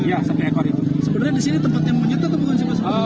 sebenarnya di sini tempatnya monyet atau bukan